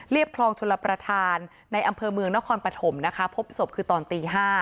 คลองชลประธานในอำเภอเมืองนครปฐมนะคะพบศพคือตอนตี๕